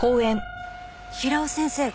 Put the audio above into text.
平尾先生が？